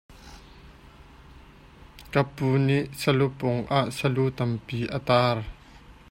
Kapu nih salupang ah salu tampi a tar.